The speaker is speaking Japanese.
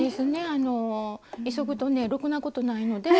あの急ぐとねろくなことないので。